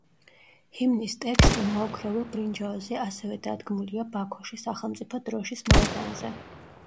ჰიმნის ტექსტი მოოქროვილ ბრინჯაოზე ასევე დადგმულია ბაქოში სახელმწიფო დროშის მოედანზე.